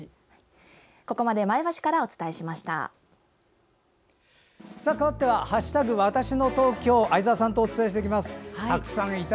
ここまで前橋からお伝えしました。